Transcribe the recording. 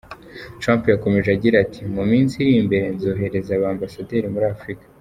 Trump yakomeje agira ati “Mu minsi iri mbere nzohereza ba Ambasaderi muri Afurika.